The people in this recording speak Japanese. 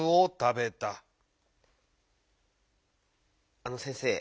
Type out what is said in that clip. あの先生。